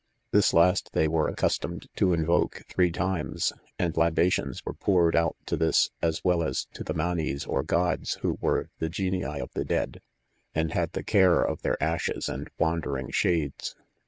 This last they were accustomed to invoice three times, and libations were poured out to this as well as to the manes or gods who were the genii of the dead, and had the care of their ashes and wandering shades.